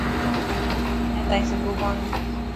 اڃان تائين صبح ڪونه ٿي.